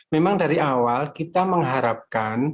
memang dari awal kita mengharapkan